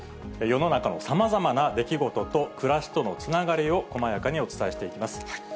世の中のさまざまな出来事と暮らしとのつながりを、こまやかにお伝えしていきます。